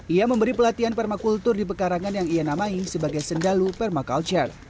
ia memberi pelatihan permakultur di pekarangan yang ia namai sebagai sendalu permaculture